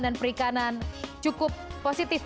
dan perikanan cukup positif